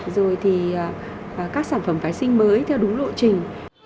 rồi thì các sản phẩm phái sinh mới theo đúng lộ trình